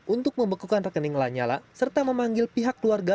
untuk membekukan rekening lanyala serta memanggil pihak keluarga